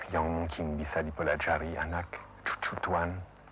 yang mungkin bisa dipelajari anak tuhan